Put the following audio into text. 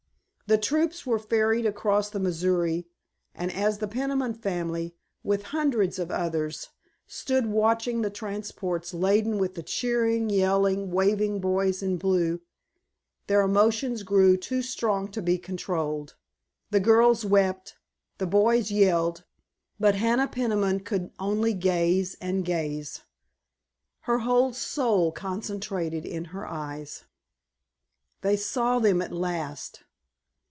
The troops were ferried across the Missouri, and as the Peniman family, with hundreds of others, stood watching the transports laden with the cheering, yelling, waving boys in blue, their emotions grew too strong to be controlled. The girls wept, the boys yelled, but Hannah Peniman could only gaze and gaze, her whole soul concentrated in her eyes. They saw them at last.